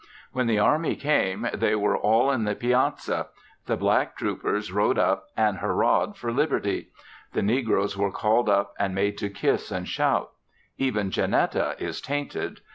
When the army came they were all in the piazza. The black troopers rode up, and hurrahed for Liberty. The negroes were called up and made to kiss and shout; even Janetta is tainted.